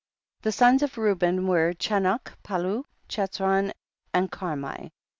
7. The sons of Reuben were Cha noch, Pallu, Chetzron and Carmi. 8.